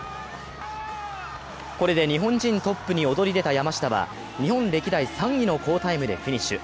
これで日本人トップに躍り出た山下は日本歴代３位の好タイムでフィニッシュ。